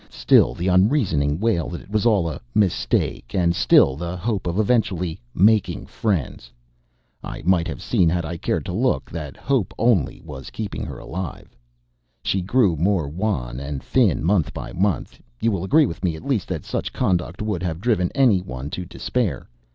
Still the unreasoning wail that it was all a "mistake"; and still the hope of eventually "making friends." I might have seen had I cared to look, that that hope only was keeping her alive. She grew more wan and thin month by month. You will agree with me, at least, that such conduct would have driven any one to despair.